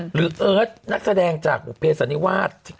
หรือเอิร์ทนักแสดงจากบุคเพศสันนิวาส